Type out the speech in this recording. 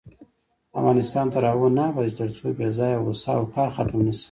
افغانستان تر هغو نه ابادیږي، ترڅو بې ځایه غوسه او قهر ختم نشي.